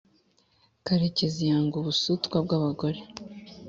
karekezi yanga ubusutwa bwa bagore